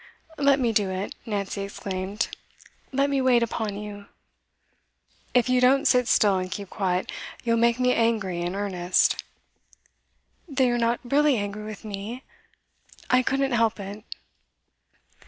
'Let me do it,' Nancy exclaimed. 'Let me wait upon you ' 'If you don't sit still and keep quiet, you'll make me angry in earnest.' 'Then you're not really angry with me? I couldn't help it.